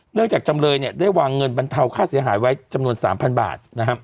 เนื่องจากจำเลยเนี่ยได้วางเงินบรรเทาค่าเสียหายไว้จำนวนสามพันบาทนะฮะ